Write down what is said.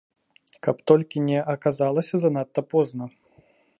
Каб толькі не аказалася занадта позна.